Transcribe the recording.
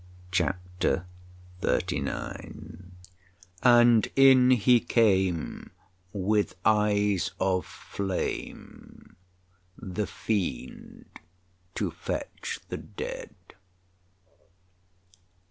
CHAPTER XXXIX And in he came with eyes of flame, The fiend to fetch the dead.